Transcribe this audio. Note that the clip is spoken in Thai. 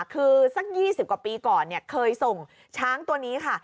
คือสัก๒๐กว่าปีก่อนเคยส่งช้างตัวนี้ค่ะ